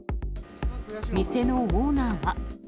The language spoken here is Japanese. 店のオーナーは。